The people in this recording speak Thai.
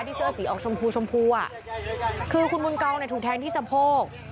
เสื้อสีออกชมพูชมพูอ่ะคือคุณบุญกองเนี่ยถูกแทงที่สะโพก